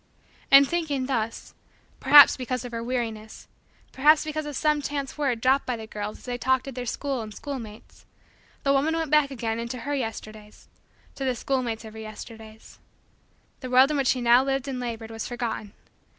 And thinking thus, perhaps because of her weariness, perhaps because of some chance word dropped by the girls as they talked of their school and schoolmates, the woman went back again into her Yesterdays to the schoolmates of her Yesterdays. The world in which she now lived and labored was forgotten.